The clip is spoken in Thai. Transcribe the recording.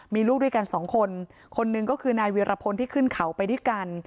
มีลูกด้วยกันสองคนคนหนึ่งก็คือนายเวียรพลที่ขึ้นเขาไปด้วยกัน